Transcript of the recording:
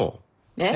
えっ？